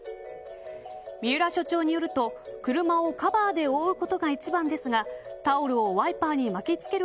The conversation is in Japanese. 三浦所長によると車をカバーで覆うことが一番ですがタオルをワイパーに巻き付ける